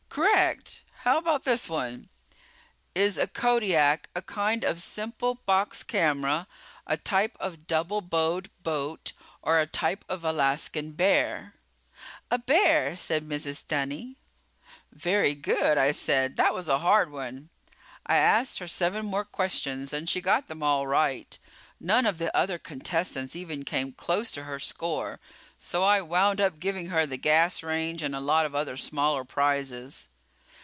"Correct! How about this one? Is a Kodiak a kind of simple box camera; a type of double bowed boat; or a type of Alaskan bear?" "A bear," said Mrs. Dunny. "Very good," I said. "That was a hard one." I asked her seven more questions and she got them all right. None of the other contestants even came close to her score, so I wound up giving her the gas range and a lot of other smaller prizes.